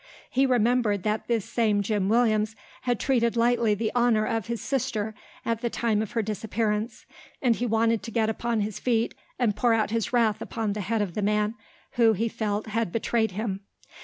He remembered that this same Jim Williams had treated lightly the honour of his sister at the time of her disappearance, and he wanted to get upon his feet and pour out his wrath on the head of the man, who, he felt, had betrayed him.